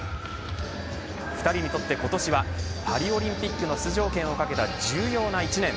２人にとって今年はパリオリンピックの出場権を懸けた重要な１年。